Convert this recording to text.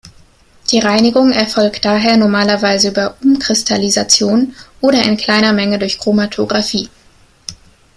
Die Reinigung erfolgt daher normalerweise über Umkristallisation oder in kleiner Menge durch Chromatographie.